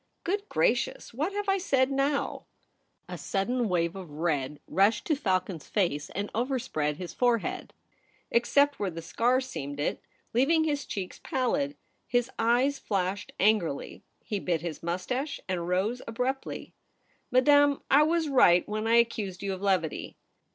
... Good gracious ! What have I said now ?' A sudden wave of red rushed to Falcon's face and overspread his forehead, except where the scar seamed it, leaving his cheeks pallid. His eyes flashed angrily. He bit his moustache and rose abruptly. * Madame, I was right when I accused you of levity.'